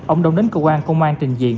ông đông đến cơ quan công an trình diện